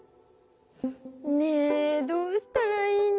ねえどうしたらいいんだろう？